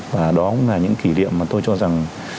và đó cũng là những kỷ niệm mà tôi cho rằng